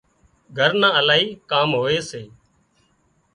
گھر نان الاهي ڪام هوئي سي